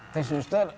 tuh sus ter